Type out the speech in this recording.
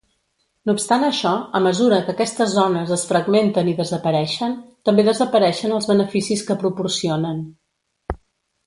No obstant això, a mesura que aquestes zones es fragmenten i desapareixen, també desapareixen els beneficis que proporcionen.